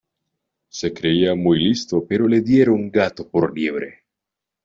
Se creía muy listo pero le dieron gato por liebre